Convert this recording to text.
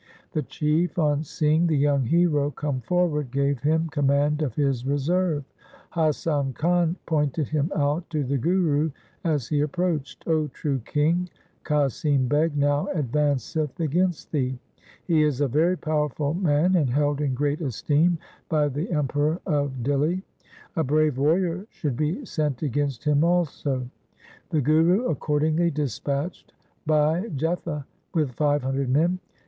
The chief, on seeing the young hero come forward, gave him command of his reserve. Hasan Khan pointed him out to the Guru as he approached, ' 0 true King, Qasim Beg now advanceth against thee. He is a very powerful man and held in great esteem by the Emperor of Dihli. A brave warrior should be sent against him also. The Guru accordingly dispatched Bhai Jetha with five hundred men.